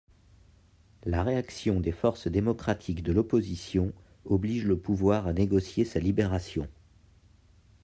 La réaction des forces démocratiques de l’opposition oblige le pouvoir à négocier sa libération.